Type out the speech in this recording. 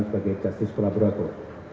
sebagai jasis kolaborator